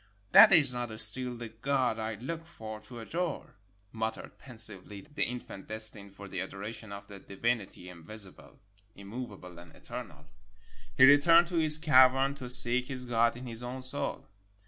"That is not still the God I look for to adore," muttered pensively the infant destined for the adoration of the divinity invisible, 487 ARABIA immovable, and eternal. He returned to his cavern to seek his God in his own soul.